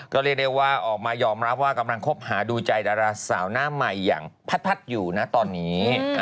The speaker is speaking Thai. ก็เรียกได้ว่าออกมายอมรับว่ากำลังคบหาดูใจดาราสาวหน้าใหม่อย่างพัดอยู่นะตอนนี้